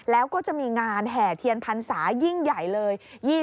แล้วก็จะมีงานแห่เทียนพรรษายิ่งใหญ่เลย